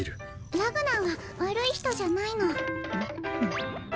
ラグナんは悪い人じゃないの。